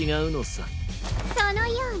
そのようね。